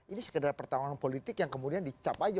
ini sekedar pertarungan politik yang kemudian dicap aja